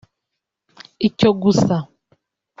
icyo gusa